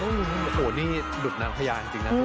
โหนี่ดุดนางพยายามจริงนะทุกคนค่ะ